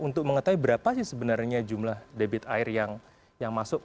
untuk mengetahui berapa sih sebenarnya jumlah debit air yang masuk